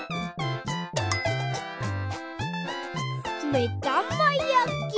めだまやき！